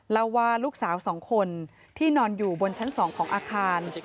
เล่าว่าลูกสาว๒คนที่นอนอยู่บนชั้น๒ของอาคาร